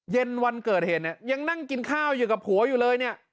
เย็นวันเกิดเหตุเนี่ยยังนั่งกินข้าวอยู่กับผัวอยู่เลยเนี่ย